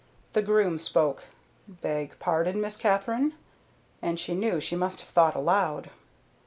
The groom spoke. "Beg pardon, Miss Katherine?" and she knew she must have thought aloud.